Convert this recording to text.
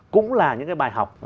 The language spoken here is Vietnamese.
cũng là những cái bài học